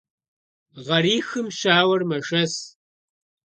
Гъэрихым щауэр мэшэс.